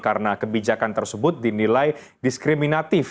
karena kebijakan tersebut dinilai diskriminatif